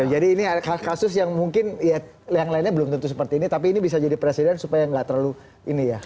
jadi ini kasus yang mungkin yang lainnya belum tentu seperti ini tapi ini bisa jadi presiden supaya nggak terlalu ini ya